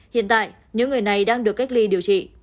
hiện tại những người này đang được cách ly điều trị